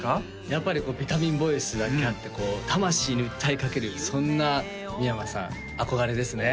やっぱりビタミンボイスだけあって魂に訴えかけるそんな三山さん憧れですね